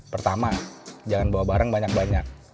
pertama jangan bawa barang banyak banyak